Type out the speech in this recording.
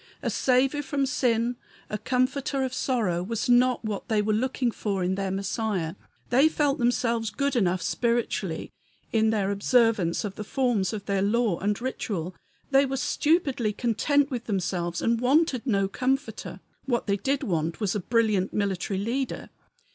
A Saviour from sin, a Comforter of sorrow, was not what they were looking for in their Messiah. They felt themselves good enough spiritually, in their observance of the forms of their law and ritual; they were stupidly content with themselves and wanted no comforter. What they did want was a brilliant military leader.